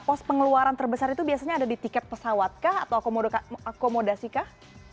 pos pengeluaran terbesar itu biasanya ada di tiket pesawat kah atau akomodasi kah